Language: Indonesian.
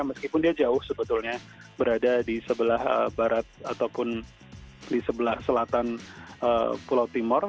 meskipun dia jauh sebetulnya berada di sebelah barat ataupun di sebelah selatan pulau timur